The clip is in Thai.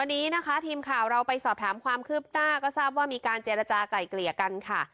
วันนี้นะคะทีมข่าวเราไปสอบถามความคืบหน้าก็ทราบว่ามีการเจรจากลายเกลี่ยกันค่ะ